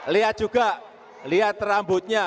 lihat juga lihat rambutnya